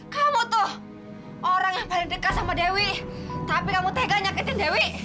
kamu tuh orang yang paling dekat sama dewi tapi kamu tega nyakitin dewi